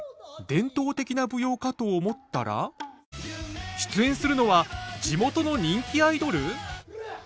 伝統的な舞踊かと思ったら出演するのは地元の人気アイドル！？